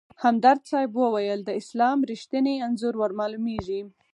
همدرد صیب ویل: د اسلام رښتیني انځور ورمالومېږي.